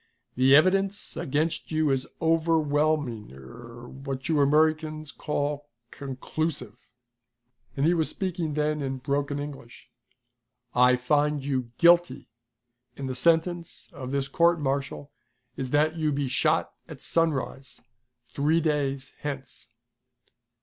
"The evidence against you is over whelming er what you Americans call conclusive," and he was speaking then in broken English. "I find you guilty, and the sentence of this court martial is that you be shot at sunrise, three days hence!"